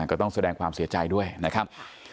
ก็ต้องแสดงความเสียใจด้วยนะครับ